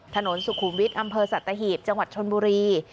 ถนนสุขุมวิทย์อำเภอสัตหีบจังหวัดชนบุรี